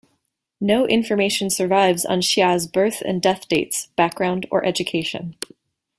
No information survives on Xia's birth and death dates, background, or education.